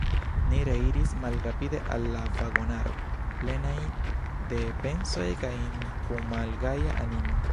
Ni reiris malrapide al la vagonaro, plenaj de pensoj kaj kun malgaja animo.